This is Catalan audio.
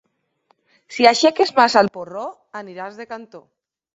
Si aixeques massa el porró aniràs de cantó.